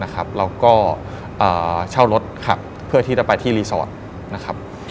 แล้วก็เช่ารถเพื่อที่จะไปที่รีสอร์ท